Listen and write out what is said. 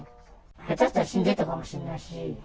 下手したら死んでたかもしれないし。